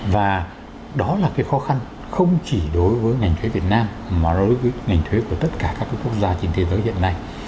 và đó là cái khó khăn không chỉ đối với ngành thuế việt nam mà đối với ngành thuế của tất cả các quốc gia trên thế giới hiện nay